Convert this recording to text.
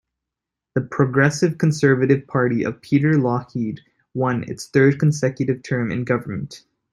The Progressive Conservative Party of Peter Lougheed won its third consecutive term in government.